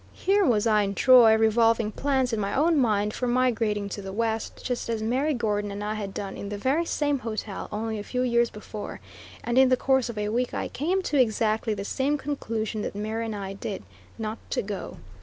Here was I in Troy, revolving plans in my own mind for migrating to the west, just as Mary Gordon and I had done in the very same hotel, only a few years before; and in the course of a week I came to exactly the same conclusion that Mary and I did not to go.